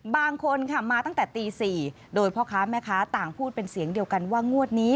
บางคนค่ะมาตั้งแต่ตี๔โดยพ่อค้าแม่ค้าต่างพูดเป็นเสียงเดียวกันว่างวดนี้